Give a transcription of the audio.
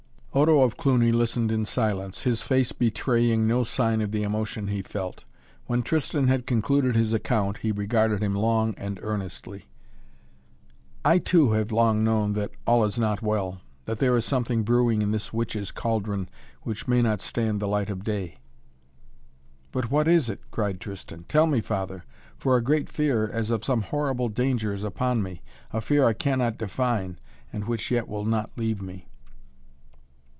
Odo of Cluny listened in silence, his face betraying no sign of the emotion he felt. When Tristan had concluded his account he regarded him long and earnestly. "I, too, have long known that all is not well, that there is something brewing in this witches' cauldron which may not stand the light of day. " "But what is it?" cried Tristan. "Tell me, Father, for a great fear as of some horrible danger is upon me; a fear I cannot define and which yet will not leave me."